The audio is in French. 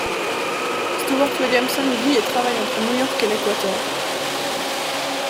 Stuart Williamson vit et travaille entre New York et l'Équateur.